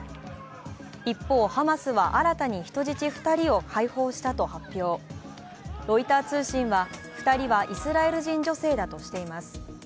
一方、ハマスは新たに人質２人を解放したと発表ロイター通信は、２人はイスラエル人女性だとしています。